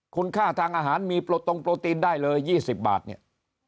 คุณค่าทางอาหารมีโปรตรงโปรตีนได้เลย๒๐บาทเนี่ย